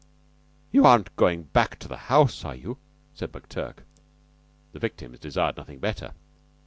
"You aren't going back to the house, are you?" said McTurk. The victims desired nothing better.